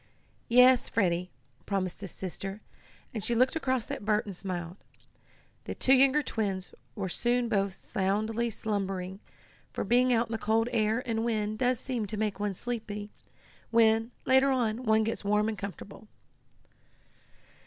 "Yes, Freddie," promised his sister, and she looked across at Bert and smiled. The two younger twins were soon both soundly slumbering, for being out in the cold air and wind does seem to make one sleepy when, later on, one gets warm and comfortable.